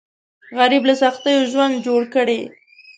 غریب له سختیو ژوند جوړ کړی